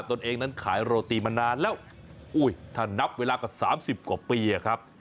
ตัวเองนั้นขายโรตีมานานแล้วถ้านับเวลาก็๓๐กว่าปีอะครับ